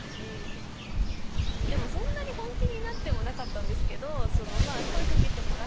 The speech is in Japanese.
でもそんなに本気になってもなかったんですけど。